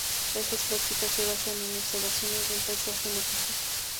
Esas prácticas se basan en observaciones de un paisaje no fijo.